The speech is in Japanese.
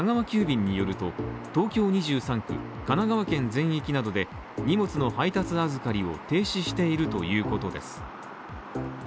急便によると、東京２３区、神奈川県全域などで荷物の配達預かりを停止しているということです。